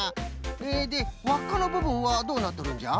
えでわっかのぶぶんはどうなっとるんじゃ？